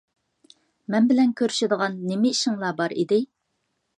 مەن بىلەن كۆرۈشىدىغان نېمە ئىشىڭلار بار ئىدى؟